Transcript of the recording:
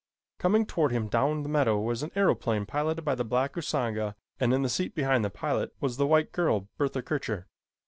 Coming toward him down the meadow was an aeroplane piloted by the black Usanga and in the seat behind the pilot was the white girl, Bertha Kircher.